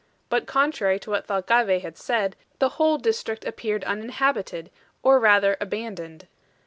But contrary to what Thalcave had said, the whole district appeared uninhabited, or rather abandoned.